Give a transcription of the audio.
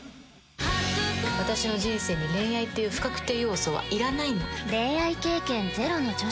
「私の人生に恋愛っていう不確定要素はいらないの」